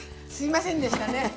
すいませんでしたね。